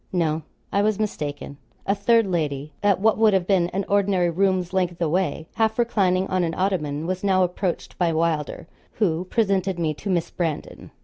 No; I was mistaken. A third lady, at what would have been an ordinary room's length away, half reclining on an ottoman, was now approached by Wylder, who presented me to Miss Brandon.